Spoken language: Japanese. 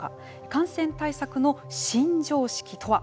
感染対策の新常識とは。